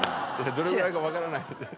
「どれぐらいかわからない」って。